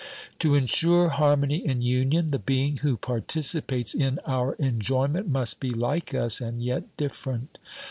To insure harmony in union, the being who participates in our enjoyment must be like us and yet different.